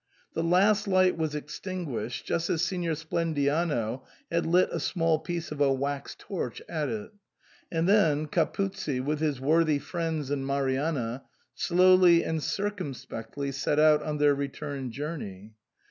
The last light was extinguished just as Signor Splendiano had lit a small piece of a wax torch at it ; and then Capuzzi, with his worthy friends and Marianna, slowly and circumspectly set out on their return journey.